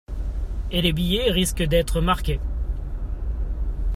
Et les billets risquent d'être marqués.